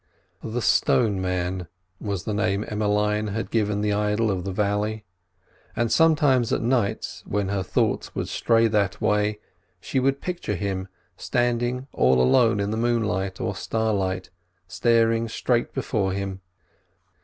The "stone man" was the name Emmeline had given the idol of the valley; and sometimes at nights, when her thoughts would stray that way, she would picture him standing all alone in the moonlight or starlight staring straight before him.